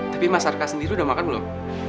tapi mas harka sendiri udah makan belum